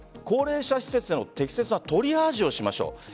高齢者施設での適切なトリアージをしましょう。